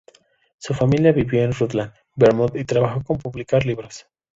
Su familia vivió en Rutland, Vermont y trabajó con publicar libros.